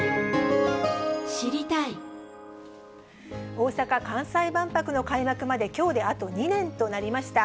大阪・関西万博の開幕まできょうであと２年となりました。